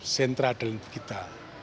sentra dalam kita